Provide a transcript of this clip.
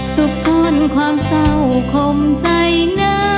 สุขซ้อนความเศร้าคมเจอข์แต่ที่ไม่มีหายที่มา